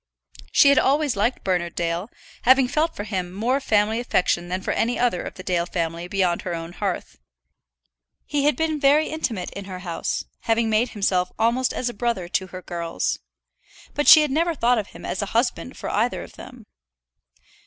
She had always liked Bernard Dale, having felt for him more family affection than for any other of the Dale family beyond her own hearth. He had been very intimate in her house, having made himself almost as a brother to her girls. But she had never thought of him as a husband for either of them.